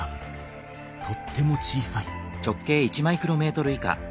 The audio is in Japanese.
とっても小さい。